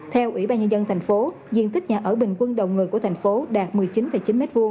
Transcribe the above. theo ủy ban nhân dân thành phố diện tích nhà ở bình quân đầu người của thành phố đạt một mươi chín chín m hai